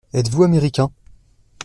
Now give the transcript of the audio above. Êtes-vous Américain ?